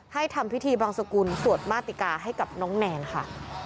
ทำพิธีบังสกุลสวดมาติกาให้กับน้องแนนค่ะ